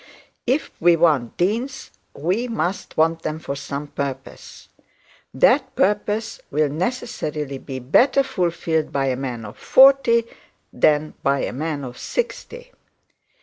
If we want deans, we must want them for some purpose. That purpose will necessarily be better fulfilled by a man of forty than by a man of sixty.